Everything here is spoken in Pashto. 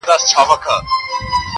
نه لرم په خپل ځان د ماتم جواز لا هم